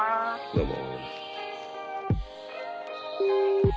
どうも。